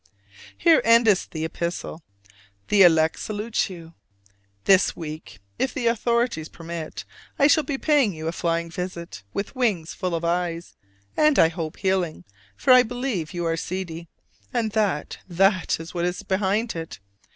Here endeth the epistle: the elect salutes you. This week, if the authorities permit, I shall be paying you a flying visit, with wings full of eyes, and, I hope, healing; for I believe you are seedy, and that that is what is behind it.